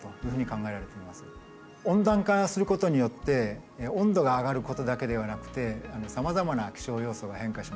温暖化することによって温度が上がることだけではなくてさまざまな気象要素が変化します。